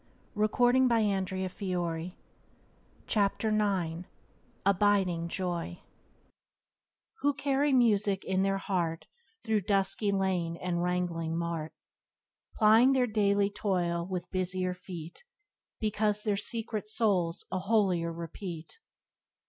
Byways to Blessedness by James Allen 48 Abiding Joy "Who carry music in their heart Through dusky lane and wrangling mart, Plying their daily toil with busier feet, Because their secret souls a holier repeat.